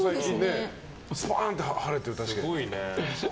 スパーンって晴れてる、確かに。